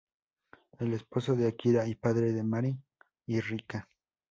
El esposo de Akira y padre de Mari y Rika.